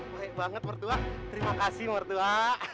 baik banget mertua terima kasih mertua